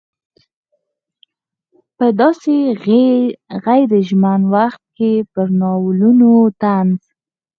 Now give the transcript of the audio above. په داسې غیر ژمن وخت کې پر ناولونو طنز.